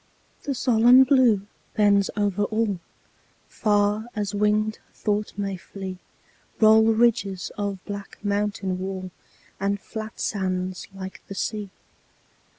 The solemn Blue bends over all; Far as winged thought may flee Roll ridges of black mountain wall, And flat sands like the sea.